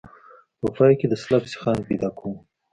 په پای کې د سلب سیخان پیدا کوو